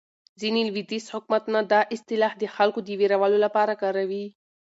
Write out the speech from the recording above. ځینې لویدیځ حکومتونه دا اصطلاح د خلکو د وېرولو لپاره کاروي.